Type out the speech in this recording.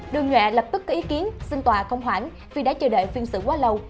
đường nhuệ lập tức có ý kiến xin tòa không hoãn vì đã chờ đợi phiên xử quá lâu